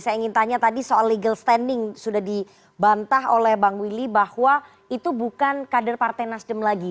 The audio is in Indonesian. saya ingin tanya tadi soal legal standing sudah dibantah oleh bang willy bahwa itu bukan kader partai nasdem lagi